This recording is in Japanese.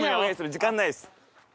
時間ないです。